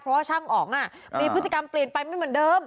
เพราะว่าช่างอ๋องมีพฤติกรรมเปลี่ยนไปไม่เหมือนเดิม